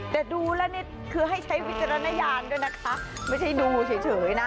แต่ดูแล้วนี่คือให้ใช้วิจารณญาณด้วยนะคะไม่ใช่ดูเฉยนะ